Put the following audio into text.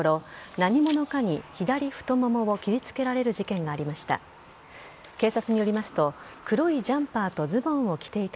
何者かに左太ももを切りつけられる事件がありました。